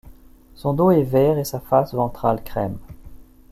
Son dos est vert et sa face ventrale crème.